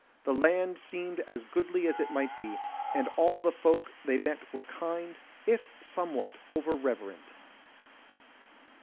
The land seemed as goodly as might be, and all the folk they met were kind, if somewhat over reverent.